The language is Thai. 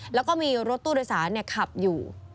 แล้วก็มีรถตู้โดยสารขับอยู่